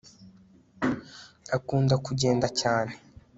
akunda kugenda cyane